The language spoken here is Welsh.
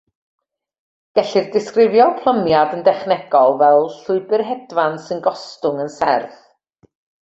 Gellir disgrifio plymiad yn dechnegol fel “llwybr hedfan sy'n gostwng yn serth”.